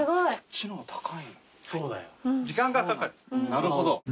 なるほど。